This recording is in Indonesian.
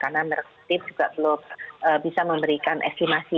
karena merktip juga belum bisa memberikan estimasi